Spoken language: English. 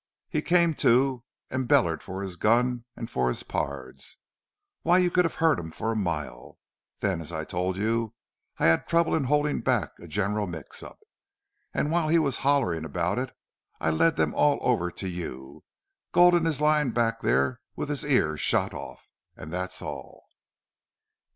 He came to an' bellered fer his gun an' fer his pards. Why, you could have heard him for a mile.... Then, as I told you, I had trouble in holdin' back a general mix up. An' while he was hollerin' about it I led them all over to you. Gulden is layin' back there with his ear shot off. An' that's all."